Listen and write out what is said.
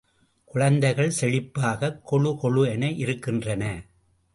குழந்தைகள் செழிப்பாகக் கொழு கொழு என இருக்கின்றன.